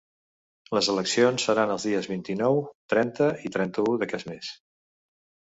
Les eleccions seran els dies vint-i-nou, trenta i trenta-u d’aquest mes.